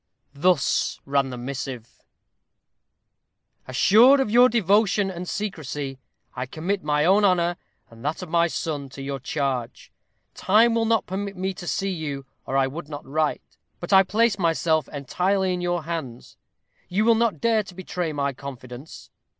Thus ran the missive: "Assured of your devotion and secrecy, I commit my own honor, and that of my son, to your charge. Time will not permit me to see you, or I would not write. But I place myself entirely in your hands. You will not dare to betray my confidence.